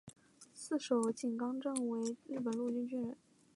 四手井纲正为日本陆军军人。